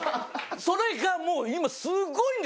それがもう今すごいんです。